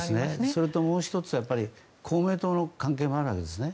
それともう１つは公明党の関係もあるわけですね。